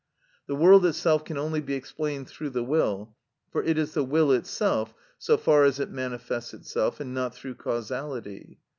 The world itself can only be explained through the will (for it is the will itself, so far as it manifests itself), and not through causality.